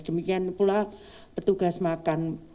demikian pula bertugas makan